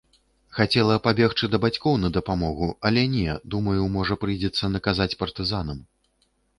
Хацела пабегчы да бацькоў на дапамогу, але не, думаю, можа, прыйдзецца наказаць партызанам.